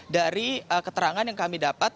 dari keterangan yang kami dapat